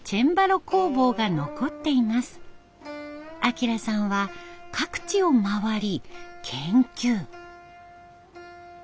彰さんは各地を回り研究。